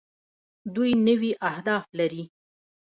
دوی نوي اهداف لري.